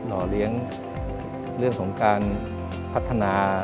ห่อเลี้ยงเรื่องของการพัฒนา